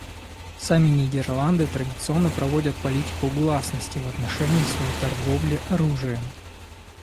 Сами Нидерланды традиционно проводят политику гласности в отношении своей торговли оружием.